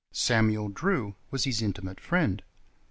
Samuel Drew [q. v.] was his intimate friend.